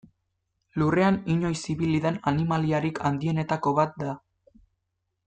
Lurrean inoiz ibili den animaliarik handienetako bat da.